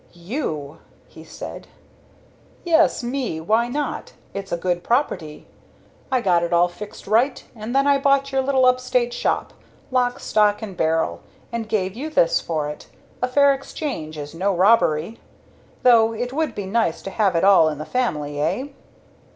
"You!" he said. "Yes, me. Why not? It's a good property. I got it all fixed right, and then I bought your little upstate shop lock, stock and barrel and gave you this for it. A fair exchange is no robbery. Though it would be nice to have it all in the family, eh?"